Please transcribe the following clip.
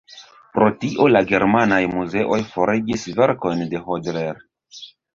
Pro tio la germanaj muzeoj forigis verkojn de Hodler.